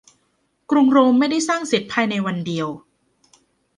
กรุงโรมไม่ได้สร้างเสร็จภายในวันเดียว